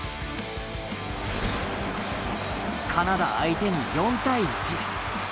カナダ相手に４−１。